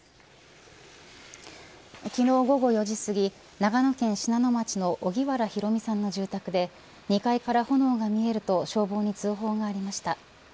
昨日午後４時すぎ長野県信濃町の荻原博美さんの住宅で２階から炎が見えると消防に通報がありました。